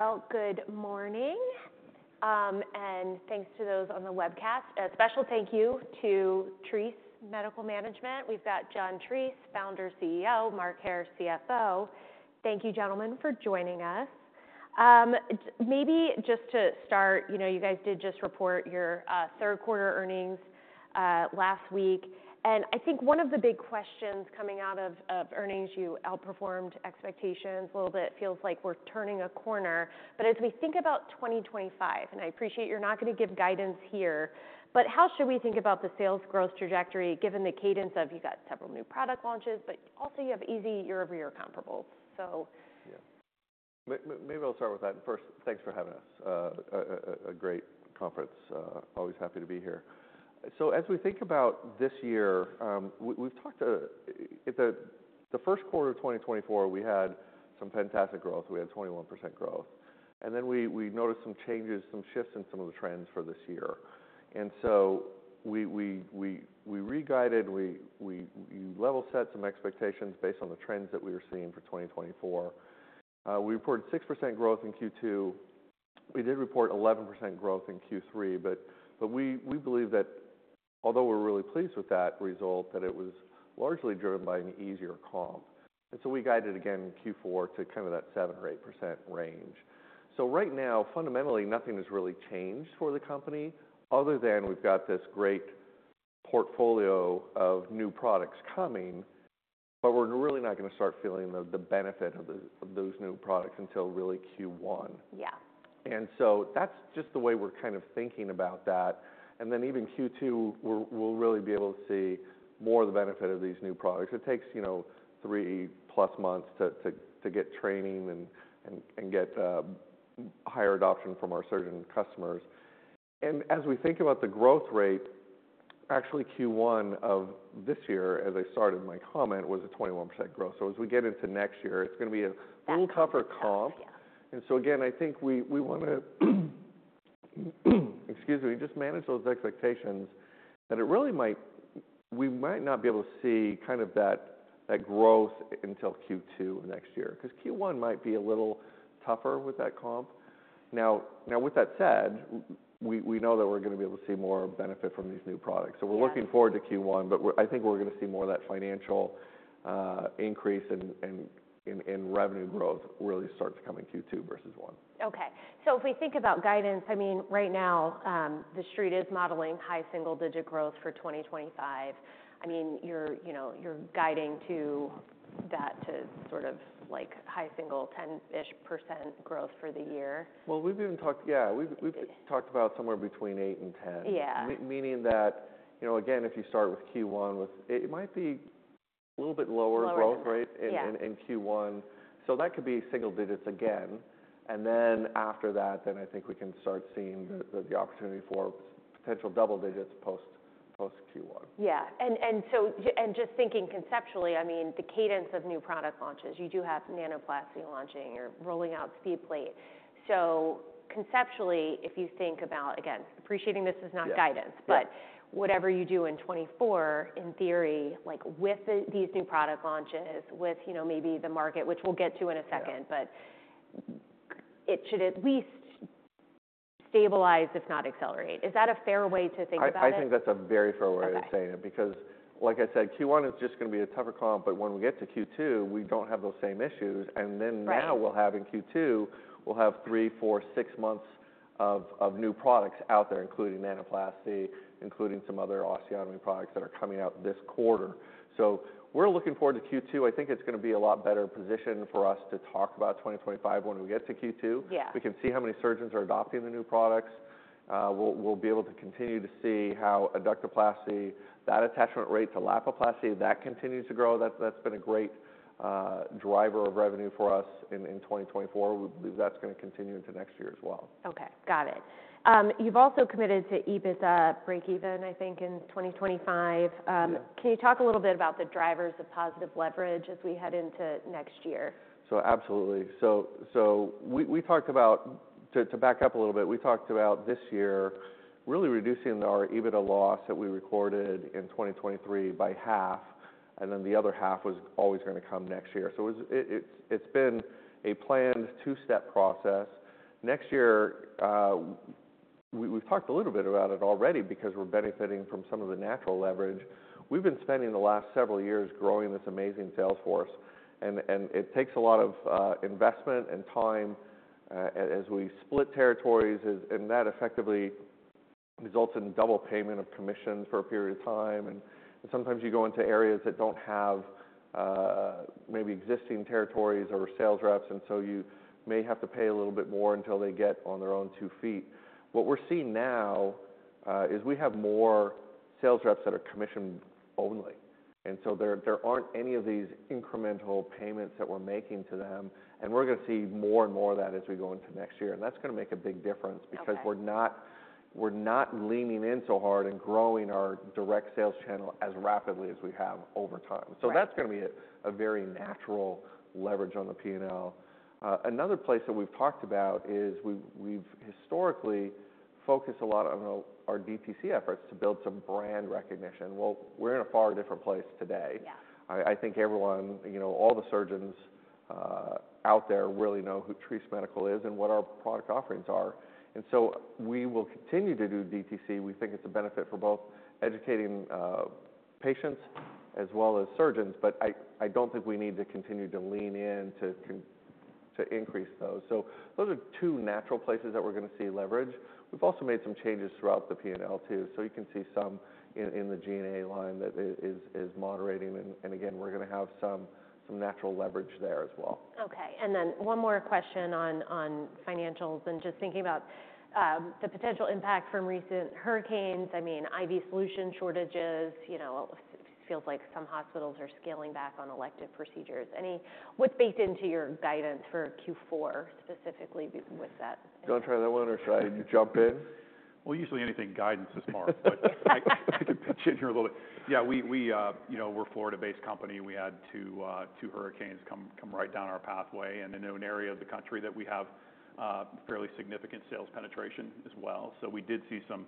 Well, good morning. And thanks to those on the webcast. A special thank you to Treace Medical Concepts. We've got John Treace, Founder and CEO. Mark Hair, CFO. Thank you, gentlemen, for joining us. Maybe just to start, you know, you guys did just report your third-quarter earnings last week. And I think one of the big questions coming out of earnings, you outperformed expectations a little bit. It feels like we're turning a corner. But as we think about 2025, and I appreciate you're not gonna give guidance here, but how should we think about the sales growth trajectory given the cadence of you got several new product launches, but also you have easy year-over-year comparables, so. Yeah. Maybe I'll start with that. First, thanks for having us. A great conference. Always happy to be here. So as we think about this year, we've talked at the first quarter of 2024, we had some fantastic growth. We had 21% growth. And then we noticed some changes, some shifts in some of the trends for this year. And so we re-guided. We level-set some expectations based on the trends that we were seeing for 2024. We reported 6% growth in Q2. We did report 11% growth in Q3, but we believe that although we're really pleased with that result, that it was largely driven by an easier comp. And so we guided again in Q4 to kind of that 7% or 8% range. So right now, fundamentally, nothing has really changed for the company other than we've got this great portfolio of new products coming, but we're really not gonna start feeling the benefit of those new products until really Q1. Yeah. And so that's just the way we're kind of thinking about that. And then even Q2, we'll really be able to see more of the benefit of these new products. It takes, you know, three-plus months to get training and get higher adoption from our surgeon customers. And as we think about the growth rate, actually Q1 of this year, as I started my comment, was a 21% growth. So as we get into next year, it's gonna be a full quarter comp. Yeah. And so again, I think we wanna, excuse me, just manage those expectations that it really might, we might not be able to see kind of that growth until Q2 of next year 'cause Q1 might be a little tougher with that comp. Now with that said, we know that we're gonna be able to see more benefit from these new products. Yeah. We're looking forward to Q1, but I think we're gonna see more of that financial increase and revenue growth really start to come in Q2 versus 1. Okay. So if we think about guidance, I mean, right now, the street is modeling high single-digit growth for 2025. I mean, you're, you know, you're guiding to that to sort of like high-single to low-double-digit growth for the year. We've even talked, yeah, we've talked about somewhere between eight and 10. Yeah. mean that, you know, again, if you start with Q1, it might be a little bit lower growth rate. Lower growth, yeah. In Q1. So that could be single digits again. And then after that, then I think we can start seeing the opportunity for potential double digits post Q1. Yeah. And so just thinking conceptually, I mean, the cadence of new product launches, you do have Nanoplasty launching. You're rolling out SpeedPlate. So conceptually, if you think about, again, appreciating this is not guidance. Yeah. But whatever you do in 2024, in theory, like with these new product launches, with, you know, maybe the market, which we'll get to in a second, but it should at least stabilize, if not accelerate. Is that a fair way to think about it? I think that's a very fair way of saying it because, like I said, Q1 is just gonna be a tougher comp, but when we get to Q2, we don't have those same issues. And then now. Right. We'll have in Q2, we'll have three, four, six months of new products out there, including Nanoplasty, including some other osteotomy products that are coming out this quarter. So we're looking forward to Q2. I think it's gonna be a lot better position for us to talk about 2025 when we get to Q2. Yeah. We can see how many surgeons are adopting the new products. We'll be able to continue to see how Adductoplasty, that attachment rate to Lapiplasty, continues to grow. That's been a great driver of revenue for us in 2024. We believe that's gonna continue into next year as well. Okay. Got it. You've also committed to EBITDA break-even, I think, in 2025. Yeah. Can you talk a little bit about the drivers of positive leverage as we head into next year? So absolutely. We talked about—to back up a little bit, we talked about this year really reducing our EBITDA loss that we recorded in 2023 by half, and then the other half was always gonna come next year. So it was, it's been a planned two-step process. Next year, we've talked a little bit about it already because we're benefiting from some of the natural leverage. We've been spending the last several years growing this amazing sales force, and it takes a lot of investment and time as we split territories, and that effectively results in double payment of commissions for a period of time. And sometimes you go into areas that don't have maybe existing territories or sales reps, and so you may have to pay a little bit more until they get on their own two feet. What we're seeing now is we have more sales reps that are commissioned only. And so there aren't any of these incremental payments that we're making to them, and we're gonna see more and more of that as we go into next year. And that's gonna make a big difference because we're not. Okay. We're not leaning in so hard and growing our direct sales channel as rapidly as we have over time. Yeah. So that's gonna be a very natural leverage on the P&L. Another place that we've talked about is we've historically focused a lot on our DTC efforts to build some brand recognition. Well, we're in a far different place today. Yeah. I think everyone, you know, all the surgeons out there really know who Treace Medical is and what our product offerings are. And so we will continue to do DTC. We think it's a benefit for both educating patients as well as surgeons, but I don't think we need to continue to lean in to increase those. So those are two natural places that we're gonna see leverage. We've also made some changes throughout the P&L too, so you can see some in the G&A line that is moderating. And again, we're gonna have some natural leverage there as well. Okay. And then one more question on financials and just thinking about the potential impact from recent hurricanes. I mean, IV solution shortages, you know, feels like some hospitals are scaling back on elective procedures. Any what's baked into your guidance for Q4 specifically with that? Do you wanna try that one or should I jump in? Well, usually any guidance is smart, but I could pitch in here a little bit. Yeah, we you know, we're a Florida-based company. We had two hurricanes come right down our pathway and in an area of the country that we have fairly significant sales penetration as well. So we did see some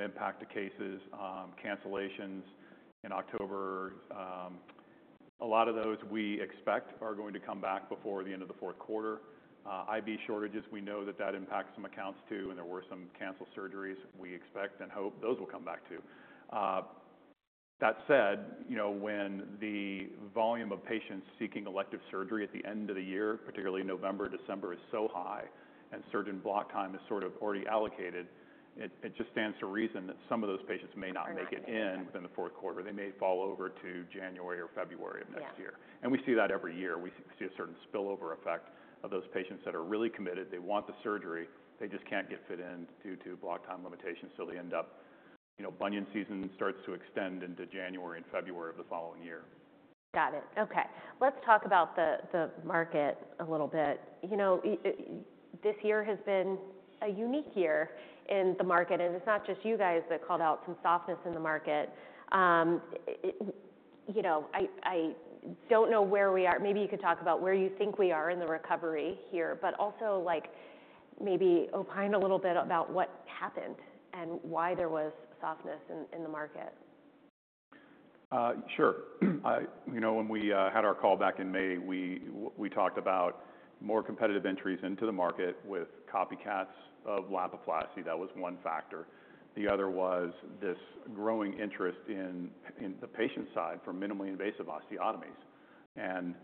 impact to cases, cancellations in October. A lot of those we expect are going to come back before the end of the fourth quarter. IV shortages, we know that impacts some accounts too, and there were some canceled surgeries we expect and hope those will come back too. That said, you know, when the volume of patients seeking elective surgery at the end of the year, particularly November, December, is so high and surgeon block time is sort of already allocated, it just stands to reason that some of those patients may not make it in. Mm-hmm. Within the fourth quarter. They may fall over to January or February of next year. Yeah. We see that every year. We see a certain spillover effect of those patients that are really committed. They want the surgery. They just can't get fit in due to block time limitations, so they end up, you know, bunion season starts to extend into January and February of the following year. Got it. Okay. Let's talk about the market a little bit. You know, this year has been a unique year in the market, and it's not just you guys that called out some softness in the market. You know, I don't know where we are. Maybe you could talk about where you think we are in the recovery here, but also, like, maybe opine a little bit about what happened and why there was softness in the market. Sure. You know, when we had our call back in May, we talked about more competitive entries into the market with copycats of Lapiplasty. That was one factor. The other was this growing interest in the patient side for minimally invasive osteotomies. And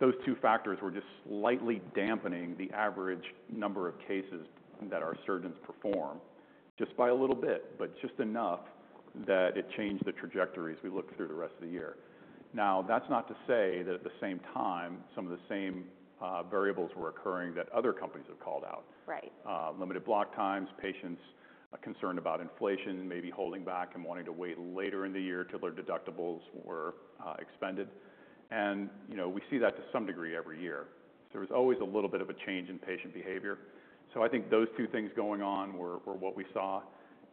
those two factors were just slightly dampening the average number of cases that our surgeons perform just by a little bit, but just enough that it changed the trajectory as we looked through the rest of the year. Now, that's not to say that at the same time some of the same variables were occurring that other companies have called out. Right. limited block times, patients concerned about inflation, maybe holding back and wanting to wait later in the year till their deductibles were expended. And, you know, we see that to some degree every year. So there was always a little bit of a change in patient behavior. So I think those two things going on were what we saw,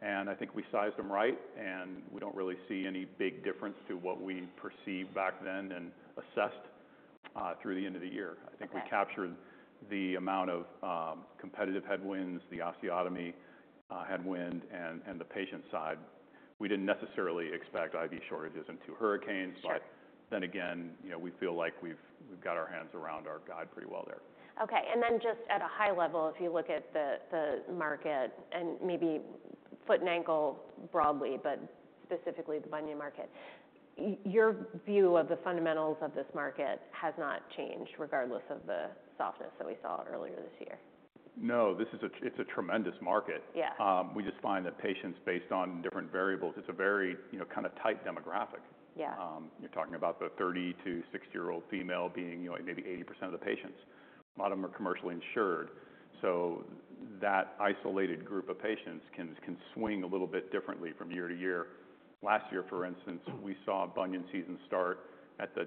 and I think we sized them right, and we don't really see any big difference to what we perceived back then and assessed through the end of the year. Okay. I think we captured the amount of competitive headwinds, the osteotomy headwind, and the patient side. We didn't necessarily expect IV shortages in two hurricanes. Sure. But then again, you know, we feel like we've got our hands around our guide pretty well there. Okay, and then just at a high level, if you look at the market and maybe foot and ankle broadly, but specifically the bunion market, your view of the fundamentals of this market has not changed regardless of the softness that we saw earlier this year. No, this is, it's a tremendous market. Yeah. We just find that patients based on different variables, it's a very, you know, kind of tight demographic. Yeah. You're talking about the 30- to 60-year-old female being, you know, maybe 80% of the patients. A lot of them are commercially insured. So that isolated group of patients can swing a little bit differently from year to year. Last year, for instance, we saw bunion season start in the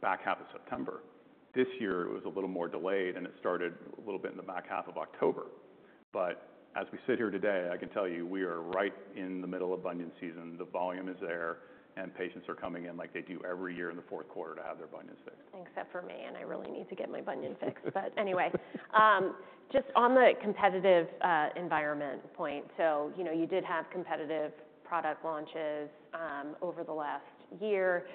back half of September. This year, it was a little more delayed, and it started a little bit in the back half of October. But as we sit here today, I can tell you we are right in the middle of bunion season. The volume is there, and patients are coming in like they do every year in the fourth quarter to have their bunions fixed. Except for me, and I really need to get my bunion fixed. But anyway, just on the competitive environment point, so, you know, you did have competitive product launches over the last year.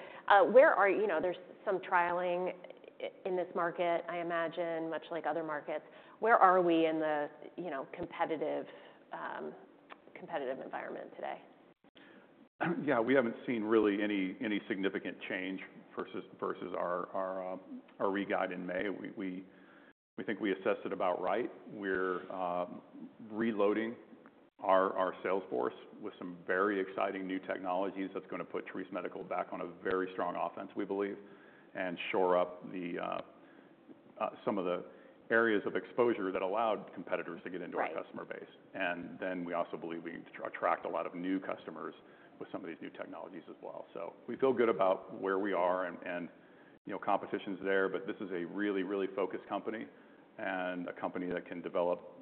Where are you? You know, there's some trialing in this market, I imagine, much like other markets. Where are we in the, you know, competitive environment today? Yeah, we haven't seen really any significant change versus our reguide in May. We think we assessed it about right. We're reloading our sales force with some very exciting new technologies that's gonna put Treace Medical back on a very strong offense, we believe, and shore up some of the areas of exposure that allowed competitors to get into our customer base. Right. And then we also believe we attract a lot of new customers with some of these new technologies as well. So we feel good about where we are and, and, you know, competition's there, but this is a really, really focused company and a company that can develop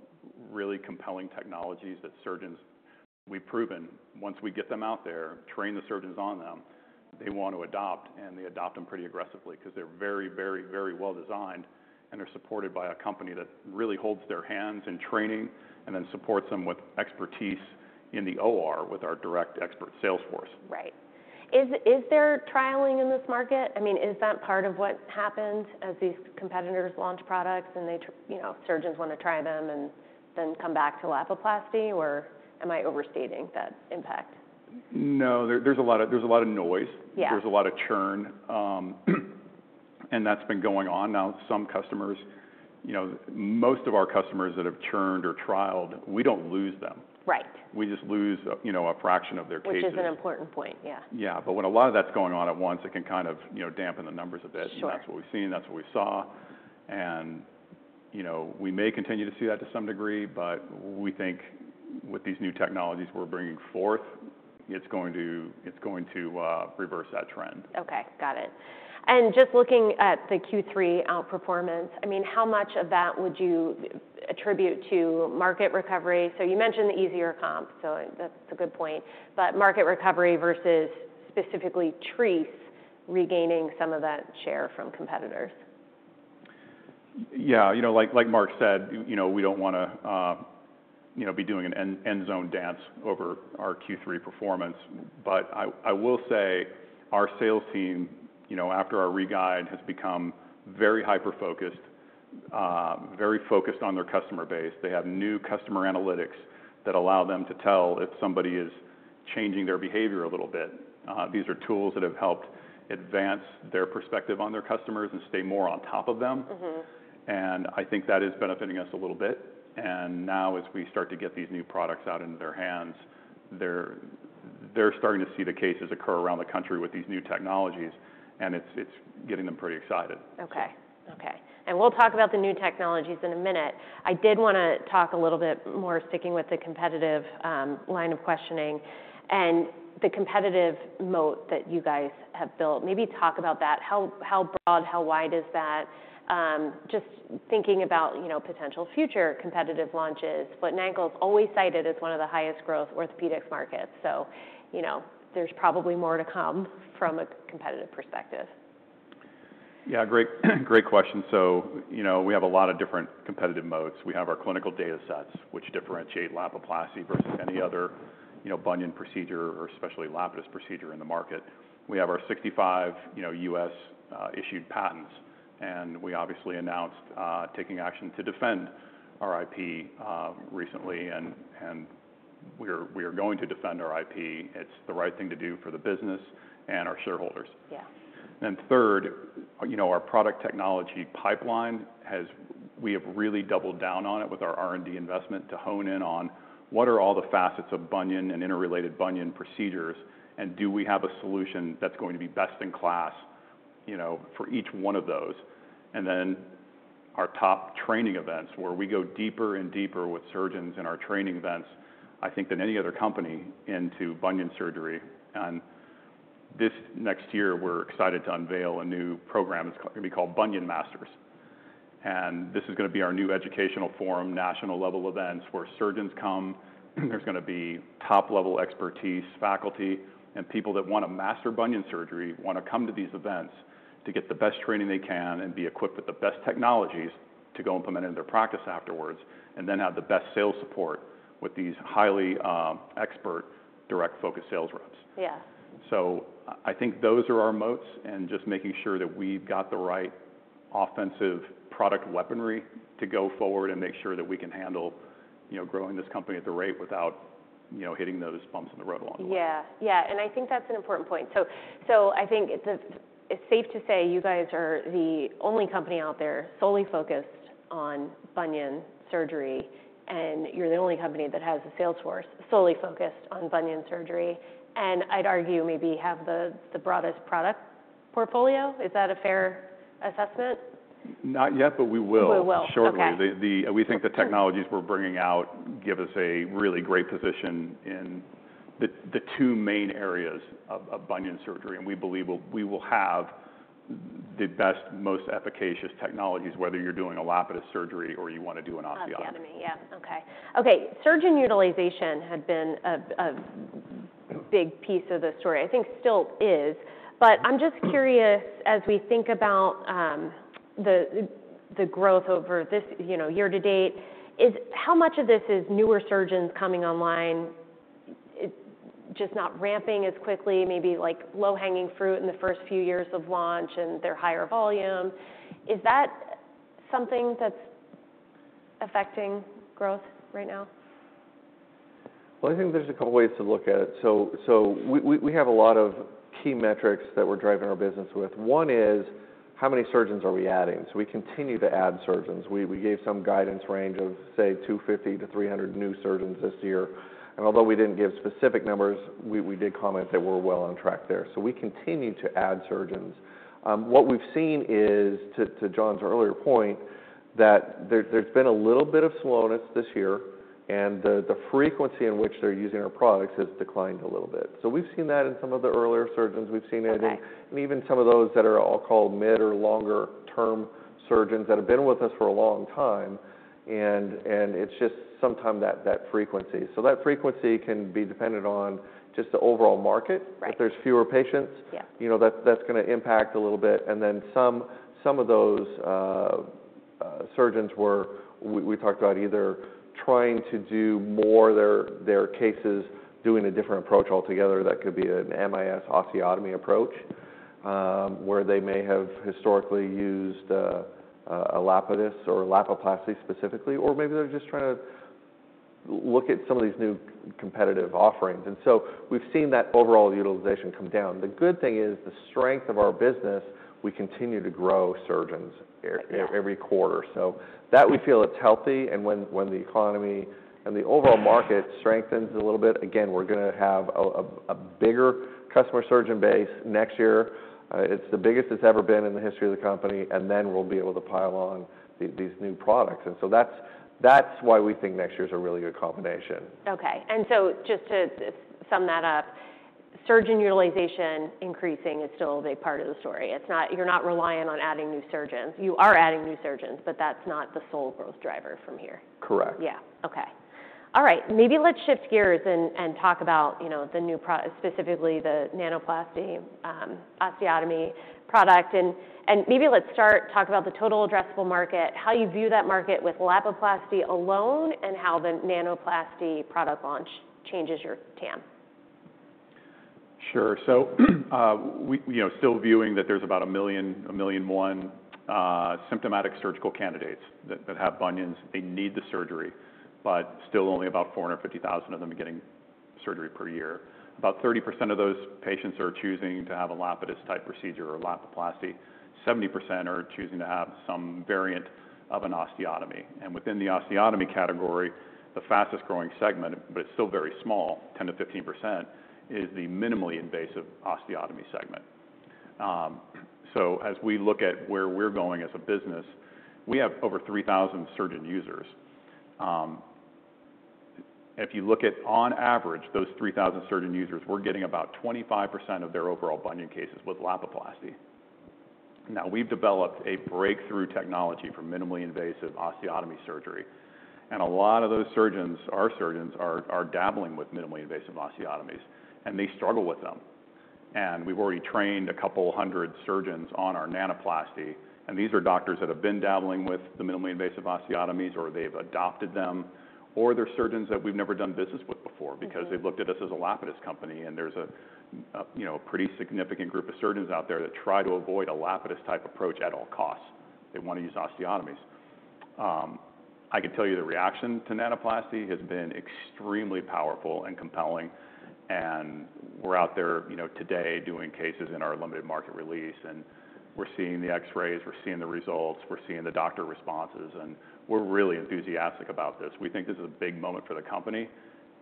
really compelling technologies that surgeons we've proven, once we get them out there, train the surgeons on them, they wanna adopt, and they adopt them pretty aggressively 'cause they're very, very, very well designed and are supported by a company that really holds their hands in training and then supports them with expertise in the OR with our direct expert sales force. Right. Is there trialing in this market? I mean, is that part of what happens as these competitors launch products and they, you know, surgeons wanna try them and then come back to Lapiplasty, or am I overstating that impact? No, there's a lot of noise. Yeah. There's a lot of churn, and that's been going on. Now, some customers, you know, most of our customers that have churned or trialed, we don't lose them. Right. We just lose, you know, a fraction of their cases. Which is an important point. Yeah. Yeah, but when a lot of that's going on at once, it can kind of, you know, dampen the numbers a bit. Sure. That's what we've seen, that's what we saw. You know, we may continue to see that to some degree, but we think with these new technologies we're bringing forth, it's going to reverse that trend. Okay. Got it. And just looking at the Q3 outperformance, I mean, how much of that would you attribute to market recovery? So you mentioned the easier comp, so that's a good point, but market recovery versus specifically Treace regaining some of that share from competitors? Yeah. You know, like, like Mark said, you know, we don't wanna, you know, be doing an end zone dance over our Q3 performance. But I will say our sales team, you know, after our re-guide has become very hyper-focused, very focused on their customer base. They have new customer analytics that allow them to tell if somebody is changing their behavior a little bit. These are tools that have helped advance their perspective on their customers and stay more on top of them. Mm-hmm. I think that is benefiting us a little bit. Now, as we start to get these new products out into their hands, they're starting to see the cases occur around the country with these new technologies, and it's getting them pretty excited. Okay. Okay, and we'll talk about the new technologies in a minute. I did wanna talk a little bit more, sticking with the competitive line of questioning and the competitive moat that you guys have built. Maybe talk about that. How broad, how wide is that? Just thinking about, you know, potential future competitive launches. Foot and ankle's always cited as one of the highest growth orthopedics markets. So, you know, there's probably more to come from a competitive perspective. Yeah. Great, great question. So, you know, we have a lot of different competitive moats. We have our clinical data sets which differentiate Lapiplasty versus any other, you know, bunion procedure or especially Lapidus procedure in the market. We have our 65, you know, U.S. issued patents, and we obviously announced taking action to defend our IP recently, and we are going to defend our IP. It's the right thing to do for the business and our shareholders. Yeah. And then third, you know, our product technology pipeline. We have really doubled down on it with our R&D investment to hone in on what are all the facets of bunion and interrelated bunion procedures, and do we have a solution that's going to be best in class, you know, for each one of those. And then our top training events, where we go deeper and deeper with surgeons in our training events, I think, than any other company into bunion surgery. And this next year, we're excited to unveil a new program. It's gonna be called Bunion Masters. And this is gonna be our new educational forum, national level events where surgeons come. There's gonna be top-level expertise, faculty, and people that wanna master bunion surgery come to these events to get the best training they can and be equipped with the best technologies to go implement it in their practice afterwards and then have the best sales support with these highly expert, direct-focused sales reps. Yeah. I think those are our moats and just making sure that we've got the right offensive product weaponry to go forward and make sure that we can handle, you know, growing this company at the rate without, you know, hitting those bumps in the road along the way. Yeah. Yeah. And I think that's an important point. So, so I think it's safe to say you guys are the only company out there solely focused on bunion surgery, and you're the only company that has a sales force solely focused on bunion surgery. And I'd argue maybe have the broadest product portfolio. Is that a fair assessment? Not yet, but we will. We will. Okay. Shortly. We think the technologies we're bringing out give us a really great position in the two main areas of bunion surgery, and we believe we'll have the best, most efficacious technologies, whether you're doing a Lapidus surgery or you wanna do an osteotomy. Osteotomy. Yeah. Okay. Okay. Surgeon utilization had been a big piece of the story. I think still is, but I'm just curious, as we think about the growth over this, you know, year to date, is how much of this is newer surgeons coming online, just not ramping as quickly, maybe like low-hanging fruit in the first few years of launch and their higher volume? Is that something that's affecting growth right now? I think there's a couple ways to look at it. So we have a lot of key metrics that we're driving our business with. One is how many surgeons are we adding? So we continue to add surgeons. We gave some guidance range of, say, 250-300 new surgeons this year. And although we didn't give specific numbers, we did comment that we're well on track there. So we continue to add surgeons. What we've seen is, to John's earlier point, that there's been a little bit of slowness this year, and the frequency in which they're using our products has declined a little bit. So we've seen that in some of the earlier surgeons. We've seen it in. Right. Even some of those that are all called mid or longer-term surgeons that have been with us for a long time. It's just sometimes that frequency. That frequency can be dependent on just the overall market. Right. If there's fewer patients. Yeah. You know, that's gonna impact a little bit. And then some of those surgeons we talked about either trying to do more of their cases doing a different approach altogether. That could be an MIS osteotomy approach, where they may have historically used a Lapidus or a Lapiplasty specifically, or maybe they're just trying to look at some of these new competitive offerings. And so we've seen that overall utilization come down. The good thing is the strength of our business, we continue to grow surgeons every quarter. So that we feel it's healthy. And when the economy and the overall market strengthens a little bit, again, we're gonna have a bigger customer surgeon base next year. It's the biggest it's ever been in the history of the company, and then we'll be able to pile on these new products. And so that's, that's why we think next year's a really good combination. Okay. And so just to sum that up, surgeon utilization increasing is still a big part of the story. It's not, you're not reliant on adding new surgeons. You are adding new surgeons, but that's not the sole growth driver from here. Correct. Yeah. Okay. All right. Maybe let's shift gears and talk about, you know, the new product, specifically the Nanoplasty osteotomy product. And maybe let's start talk about the total addressable market, how you view that market with Lapiplasty alone and how the Nanoplasty product launch changes your TAM. Sure. So, we, you know, still view that there's about a million, a million one, symptomatic surgical candidates that have bunions. They need the surgery, but still only about 450,000 of them are getting surgery per year. About 30% of those patients are choosing to have a Lapidus-type procedure or a Lapiplasty. 70% are choosing to have some variant of an osteotomy. And within the osteotomy category, the fastest-growing segment, but it's still very small, 10%-15%, is the minimally invasive osteotomy segment. So as we look at where we're going as a business, we have over 3,000 surgeon users. If you look at, on average, those 3,000 surgeon users, we're getting about 25% of their overall bunion cases with Lapiplasty. Now, we've developed a breakthrough technology for minimally invasive osteotomy surgery, and a lot of those surgeons, our surgeons, are dabbling with minimally invasive osteotomies, and they struggle with them. And we've already trained a couple hundred surgeons on our Nanoplasty, and these are doctors that have been dabbling with the minimally invasive osteotomies or they've adopted them or they're surgeons that we've never done business with before because they've looked at us as a Lapidus company. And there's a, you know, a pretty significant group of surgeons out there that try to avoid a Lapidus-type approach at all costs. They wanna use osteotomies. I can tell you the reaction to Nanoplasty has been extremely powerful and compelling, and we're out there, you know, today doing cases in our limited market release, and we're seeing the X-rays, we're seeing the results, we're seeing the doctor responses, and we're really enthusiastic about this. We think this is a big moment for the company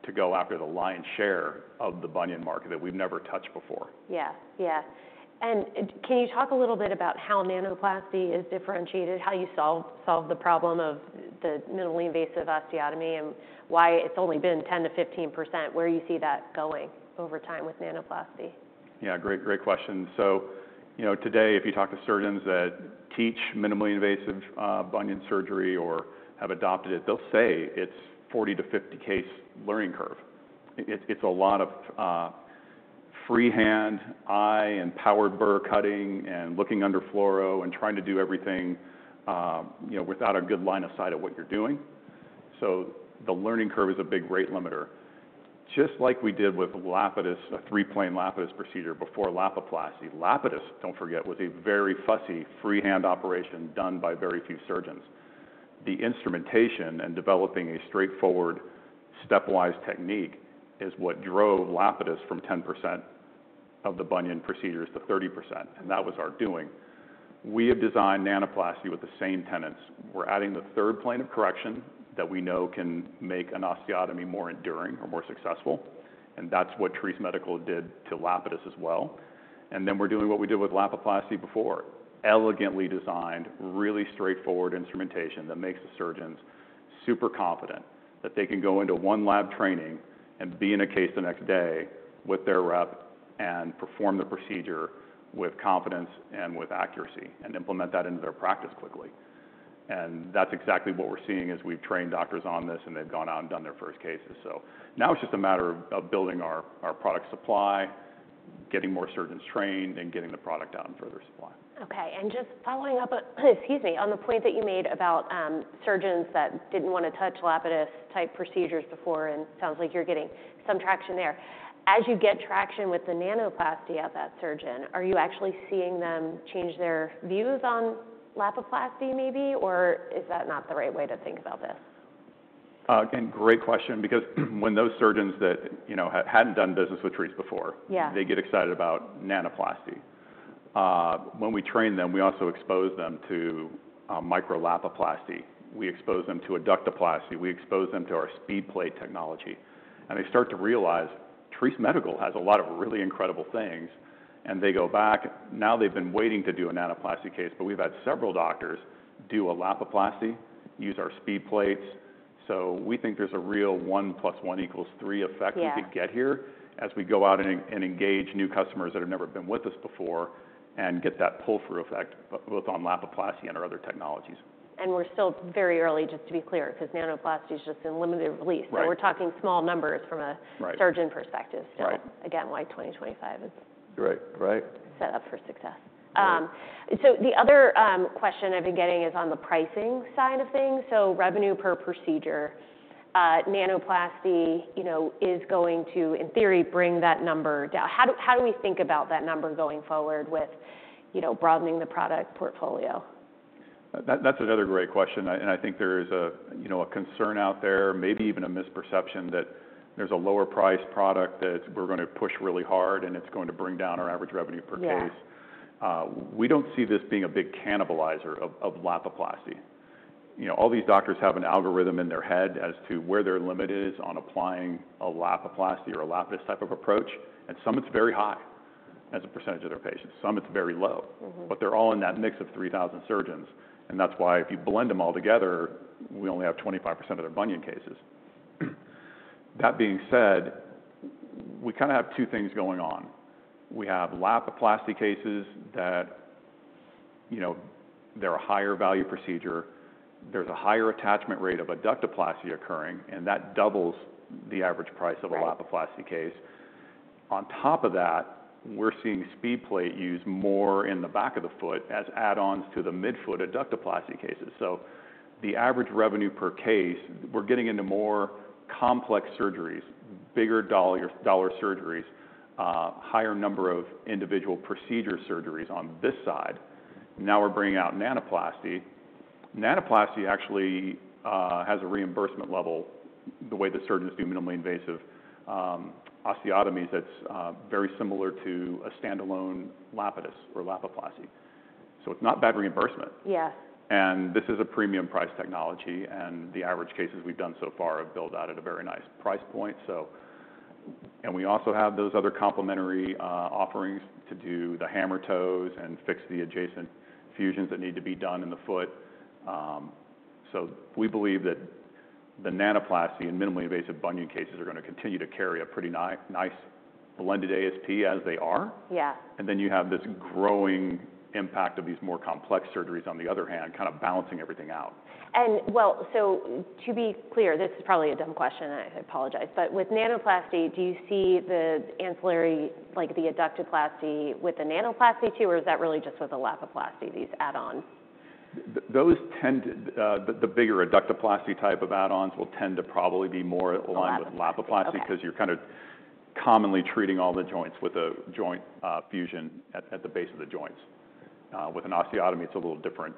to go after the lion's share of the bunion market that we've never touched before. Yeah. Yeah. And can you talk a little bit about how Nanoplasty is differentiated, how you solve the problem of the minimally invasive osteotomy and why it's only been 10%-15%? Where you see that going over time with Nanoplasty? Yeah. Great, great question. So, you know, today, if you talk to surgeons that teach minimally invasive bunion surgery or have adopted it, they'll say it's a 40- to 50-case learning curve. It's a lot of freehand eye and powered burr cutting and looking under fluoro and trying to do everything, you know, without a good line of sight of what you're doing. So the learning curve is a big rate limiter. Just like we did with Lapidus, a three-plane Lapidus procedure before Lapiplasty, Lapidus, don't forget, was a very fussy freehand operation done by very few surgeons. The instrumentation and developing a straightforward stepwise technique is what drove Lapidus from 10%-30% of the bunion procedures, and that was our doing. We have designed Nanoplasty with the same tenets. We're adding the third plane of correction that we know can make an osteotomy more enduring or more successful, and that's what Treace Medical did to Lapidus as well. And then we're doing what we did with Lapiplasty before: elegantly designed, really straightforward instrumentation that makes the surgeons super confident that they can go into one lab training and be in a case the next day with their rep and perform the procedure with confidence and with accuracy and implement that into their practice quickly. And that's exactly what we're seeing as we've trained doctors on this, and they've gone out and done their first cases. So now it's just a matter of building our product supply, getting more surgeons trained, and getting the product out in further supply. Okay. And just following up, excuse me, on the point that you made about surgeons that didn't wanna touch Lapidus-type procedures before, and it sounds like you're getting some traction there. As you get traction with the Nanoplasty of that surgeon, are you actually seeing them change their views on Lapiplasty maybe, or is that not the right way to think about this? Again, great question because when those surgeons that, you know, hadn't done business with Treace before. Yeah. They get excited about Nanoplasty. When we train them, we also expose them to Micro-Lapiplasty. We expose them to Adductoplasty. We expose them to our SpeedPlate technology, and they start to realize Treace Medical has a lot of really incredible things, and they go back. Now they've been waiting to do a Nanoplasty case, but we've had several doctors do a Lapiplasty, use our SpeedPlates. So we think there's a real one plus one equals three effect. Yeah. We could get here as we go out and engage new customers that have never been with us before and get that pull-through effect both on Lapiplasty and our other technologies. We're still very early, just to be clear, 'cause Nanoplasty's just in limited release. Right. We're talking small numbers from a. Right. Surgeon perspective. Right. So again, like 2025 is. Right. Right. Set up for success. So the other question I've been getting is on the pricing side of things. So revenue per procedure, Nanoplasty, you know, is going to, in theory, bring that number down. How do we think about that number going forward with, you know, broadening the product portfolio? That's another great question. I think there is, you know, a concern out there, maybe even a misperception that there's a lower-priced product that we're gonna push really hard, and it's going to bring down our average revenue per case. Yeah. We don't see this being a big cannibalizer of, of Lapiplasty. You know, all these doctors have an algorithm in their head as to where their limit is on applying a Lapiplasty or a Lapidus-type approach, and some it's very high as a percentage of their patients. Some it's very low. Mm-hmm. But they're all in that mix of 3,000 surgeons, and that's why if you blend them all together, we only have 25% of their bunion cases. That being said, we kinda have two things going on. We have Lapiplasty cases that, you know, they're a higher-value procedure. There's a higher attachment rate of Adductoplasty occurring, and that doubles the average price of a Lapiplasty case. On top of that, we're seeing SpeedPlate used more in the back of the foot as add-ons to the midfoot Adductoplasty cases. So the average revenue per case, we're getting into more complex surgeries, bigger dollar surgeries, higher number of individual procedure surgeries on this side. Now we're bringing out Nanoplasty. Nanoplasty actually has a reimbursement level the way the surgeons do minimally invasive osteotomies that's very similar to a standalone Lapidus or Lapiplasty. So it's not bad reimbursement. Yeah. This is a premium-priced technology, and the average cases we've done so far have billed out at a very nice price point. We also have those other complementary offerings to do the hammertoes and fix the adjacent fusions that need to be done in the foot. We believe that the Nanoplasty and minimally invasive bunion cases are gonna continue to carry a pretty nice, nice blended ASP as they are. Yeah. And then you have this growing impact of these more complex surgeries on the other hand, kinda balancing everything out. To be clear, this is probably a dumb question, and I apologize, but with Nanoplasty, do you see the ancillary, like the Adductoplasty with the Nanoplasty too, or is that really just with the Lapiplasty, these add-ons? Those tend, the bigger Adductoplasty type of add-ons will tend to probably be more aligned with Lapiplasty. Yeah. 'Cause you're kind of commonly treating all the joints with a joint fusion at the base of the joints. With an osteotomy, it's a little different.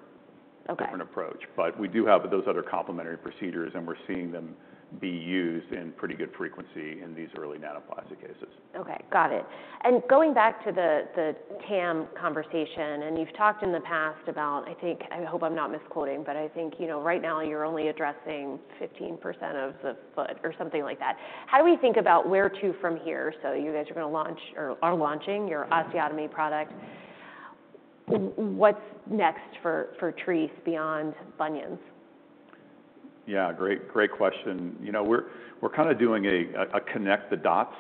Okay. Different approach, but we do have those other complementary procedures, and we're seeing them be used in pretty good frequency in these early Nanoplasty cases. Okay. Got it. And going back to the TAM conversation, and you've talked in the past about, I think, I hope I'm not misquoting, but I think, you know, right now you're only addressing 15% of the foot or something like that. How do we think about where to from here? So you guys are gonna launch or are launching your osteotomy product. What's next for Treace beyond bunions? Yeah. Great, great question. You know, we're kinda doing a connect the dots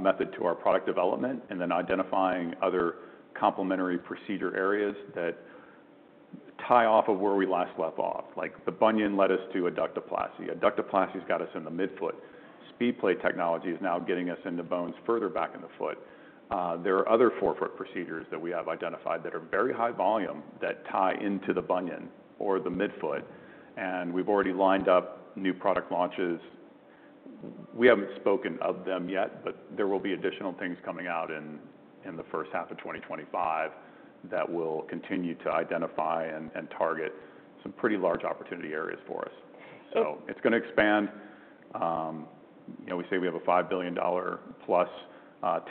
method to our product development and then identifying other complementary procedure areas that tie off of where we last left off. Like the bunion led us to Adductoplasty. Adductoplasty's got us in the midfoot. SpeedPlate technology is now getting us into bones further back in the foot. There are other forefoot procedures that we have identified that are very high volume that tie into the bunion or the midfoot, and we've already lined up new product launches. We haven't spoken of them yet, but there will be additional things coming out in the first half of 2025 that will continue to identify and target some pretty large opportunity areas for us. Okay. So it's gonna expand, you know. We say we have a $5 billion-plus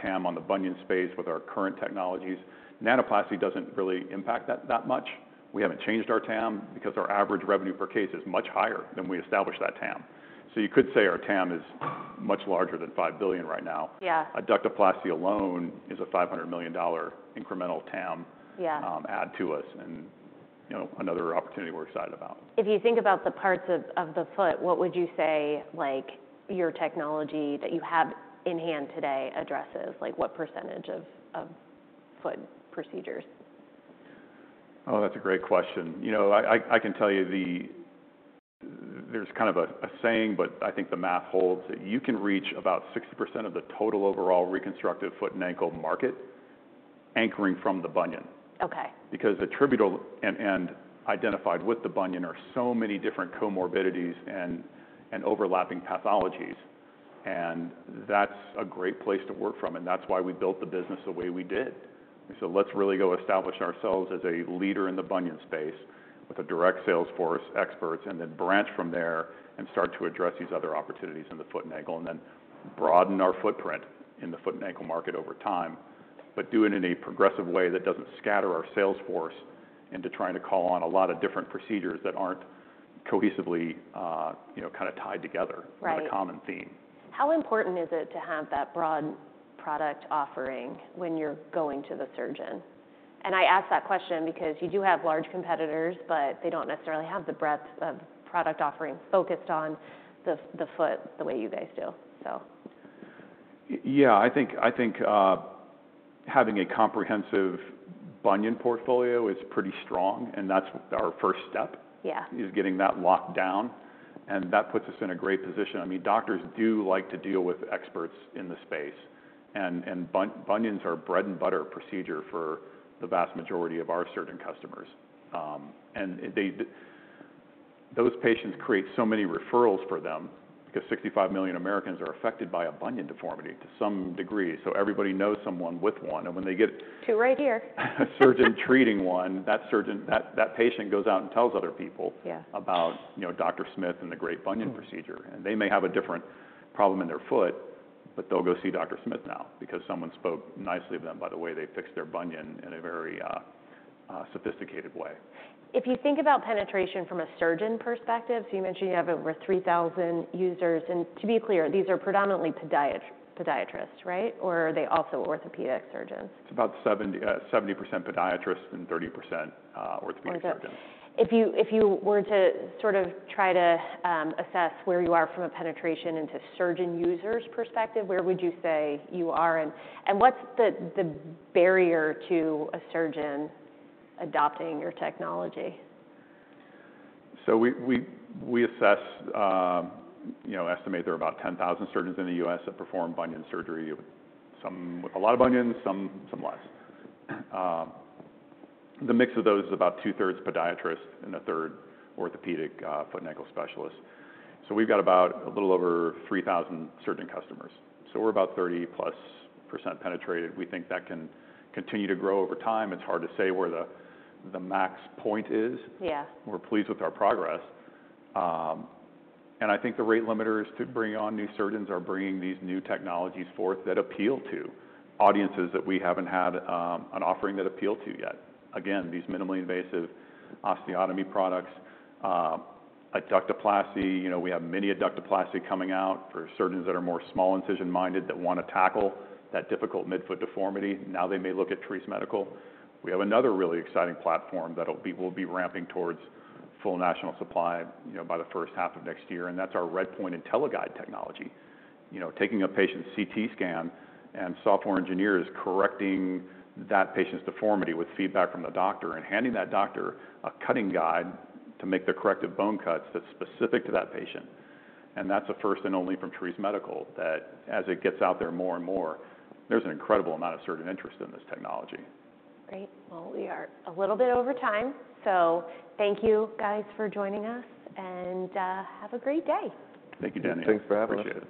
TAM on the bunion space with our current technologies. Nanoplasty doesn't really impact that, that much. We haven't changed our TAM because our average revenue per case is much higher than we established that TAM. So you could say our TAM is much larger than $5 billion right now. Yeah. Adductoplasty alone is a $500 million incremental TAM. Yeah. Add to us and, you know, another opportunity we're excited about. If you think about the parts of the foot, what would you say, like, your technology that you have in hand today addresses, like, what percentage of foot procedures? Oh, that's a great question. You know, I can tell you there's kind of a saying, but I think the math holds that you can reach about 60% of the total overall reconstructive foot and ankle market anchoring from the bunion. Okay. Because attributable and identified with the bunion are so many different comorbidities and overlapping pathologies, and that's a great place to work from, and that's why we built the business the way we did. We said, "Let's really go establish ourselves as a leader in the bunion space with a direct sales force experts and then branch from there and start to address these other opportunities in the foot and ankle and then broaden our footprint in the foot and ankle market over time, but do it in a progressive way that doesn't scatter our sales force into trying to call on a lot of different procedures that aren't cohesively, you know, kinda tied together. Right. As a common theme. How important is it to have that broad product offering when you're going to the surgeon? And I ask that question because you do have large competitors, but they don't necessarily have the breadth of product offering focused on the foot the way you guys do, so. Yeah. I think having a comprehensive bunion portfolio is pretty strong, and that's our first step. Yeah. Is getting that locked down, and that puts us in a great position. I mean, doctors do like to deal with experts in the space, and bunions are bread-and-butter procedure for the vast majority of our surgeon customers, and they, those patients create so many referrals for them because 65 million Americans are affected by a bunion deformity to some degree. So everybody knows someone with one, and when they get. To right here. A surgeon treating one, that surgeon, that patient goes out and tells other people. Yeah. About, you know, Dr. Smith and the great bunion procedure, and they may have a different problem in their foot, but they'll go see Dr. Smith now because someone spoke nicely of them by the way they fixed their bunion in a very sophisticated way. If you think about penetration from a surgeon perspective, so you mentioned you have over 3,000 users, and to be clear, these are predominantly podiatrists, right? Or are they also orthopedic surgeons? It's about 70% podiatrists and 30% orthopedic surgeons. Okay. If you were to sort of try to assess where you are from a penetration into surgeons' perspective, where would you say you are? And what's the barrier to a surgeon adopting your technology? So we assess, you know, estimate there are about 10,000 surgeons in the U.S. that perform bunion surgery, some with a lot of bunions, some less. The mix of those is about two-thirds podiatrists and a third orthopedic, foot and ankle specialists. So we've got about a little over 3,000 surgeon customers. So we're about 30-plus% penetrated. We think that can continue to grow over time. It's hard to say where the max point is. Yeah. We're pleased with our progress, and I think the rate limiters to bring on new surgeons are bringing these new technologies forth that appeal to audiences that we haven't had an offering that appeal to yet. Again, these minimally invasive osteotomy products, Adductoplasty, you know, we have mini Adductoplasty coming out for surgeons that are more small incision-minded that wanna tackle that difficult midfoot deformity. Now they may look at Treace Medical. We have another really exciting platform that'll be ramping towards full national supply, you know, by the first half of next year, and that's our RedPoint IntelliGuide technology. You know, taking a patient's CT scan and software engineers correcting that patient's deformity with feedback from the doctor and handing that doctor a cutting guide to make the corrective bone cuts that's specific to that patient. That's a first and only from Treace Medical that as it gets out there more and more, there's an incredible amount of surgeon interest in this technology. Great. Well, we are a little bit over time, so thank you guys for joining us, and have a great day. Thank you, Daniel. Thanks for having us. Appreciate it.